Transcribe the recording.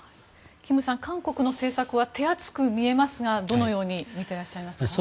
キムさん、韓国の政策は手厚く見えますがどのように見ていらっしゃいますか。